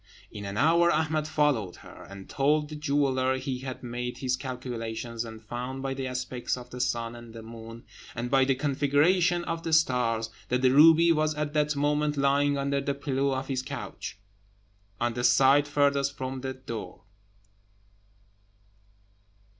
In an hour Ahmed followed her, and told the jeweller he had made his calculations, and found by the aspect of the sun and moon, and by the configuration of the stars, that the ruby was at that moment lying under the pillow of his couch, on the side furthest from the door.